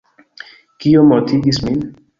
Kio mortigis min?